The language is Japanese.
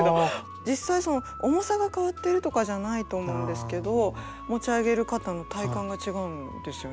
実際重さが変わってるとかじゃないと思うんですけど持ち上げる方の体感が違うんですよね。